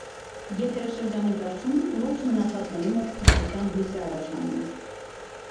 Եթերաշրջանի վերջում ողջ մնացածների մոտ փրկության հույս է առաջանում։